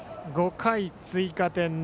５回、追加点。